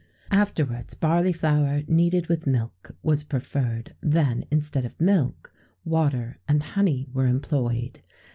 [XVII 22] Afterwards barley flour, kneaded with milk, was preferred; then, instead of milk, water, and honey were employed.